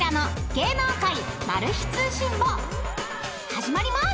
［始まります］